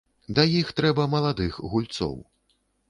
Да іх трэба маладых гульцоў.